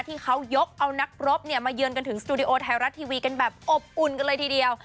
ที่เขายกเอานักรบมาเยือนกันถึงสตูดิโอไทยรัฐทีวีกันแบบอบอุ่นกันเลยทีเดียว